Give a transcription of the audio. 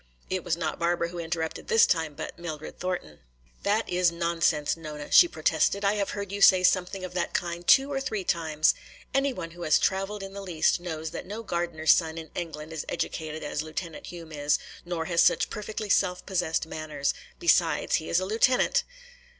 It was not Barbara who interrupted this time, but Mildred Thornton. "That is nonsense, Nona," she protested. "I have heard you say something of that kind two or three times. Anyone who has traveled in the least knows that no gardener's son in England is educated as Lieutenant Hume is, nor has such perfectly self possessed manners. Besides, he is a lieutenant."